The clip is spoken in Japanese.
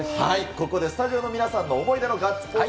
ここでスタジオの皆さんの思い出のガッツポーズ